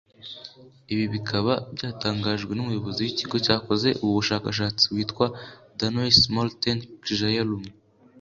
Ibi bikaba byatangajwe n’umuyobozi w’ikigo cyakoze ubu bushakashatsi witwa Danois Morten Kjaerum